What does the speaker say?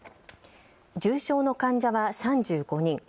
重症の患者は３５人。